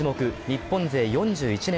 日本勢４１年